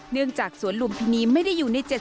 เนื่องจากสวนลุมพินีไม่ได้อยู่ในเจ็ด